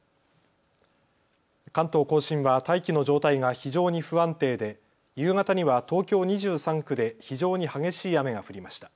関東甲信は大気の状態が非常に不安定で夕方には東京２３区で非常に激しい雨が降りました。